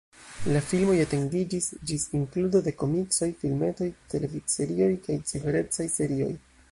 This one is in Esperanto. La filmoj etendiĝis ĝis inkludo de komiksoj, filmetoj, televidserioj kaj ciferecaj serioj.